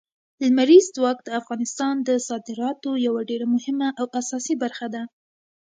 لمریز ځواک د افغانستان د صادراتو یوه ډېره مهمه او اساسي برخه ده.